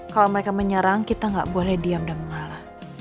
kalau mereka menyerang kita nggak boleh diam dan mengalah